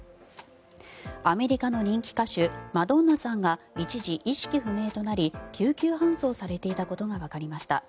アメリカの人気歌手マドンナさんが一時、意識不明となり救急搬送されていたことがわかりました。